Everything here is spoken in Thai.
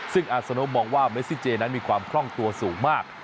ซึ่งอาซาโนมองว่าเมซิเจนั้นมีความคล่องตัวสูงมาก